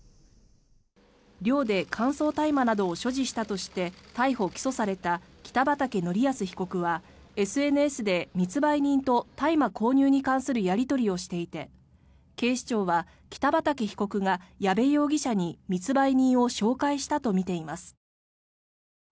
寮で乾燥大麻などを所持したとして逮捕・起訴された北畠成文被告はＳＮＳで密売人と大麻購入に関するやり取りをしていて警視庁は北畠被告が矢部容疑者に密売人を紹介したとみています。